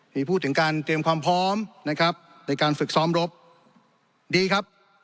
มีพูดถึงการเตรียมความพร้อมนะครับในการฝึกซ้อมรบดีครับ